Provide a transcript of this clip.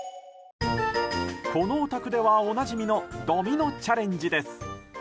このお宅では、おなじみのドミノチャレンジです。